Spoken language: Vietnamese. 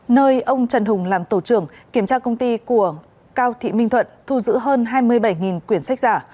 nơi ông trần hùng làm tổ trưởng kiểm tra công ty của cao thị minh thuận thu giữ hơn hai mươi bảy quyển sách giả